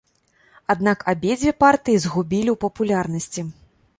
Аднак абедзве партыі згубілі ў папулярнасці.